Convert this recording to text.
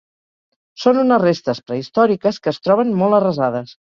Són unes restes prehistòriques que es troben molt arrasades.